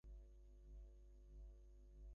তুই তখন মাল দিয়ে কুলিয়ে উঠতে পারবিনি।